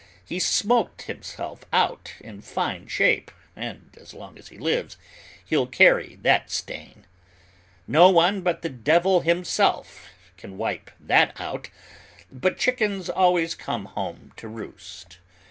He's smoked himself out in fine shape, and as long as he lives, he'll carry that stain! No one but the devil himself can wipe that out, but chickens always come home to roost.